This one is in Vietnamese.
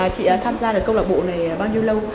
chị tham gia được câu lạc bộ này bao nhiêu lâu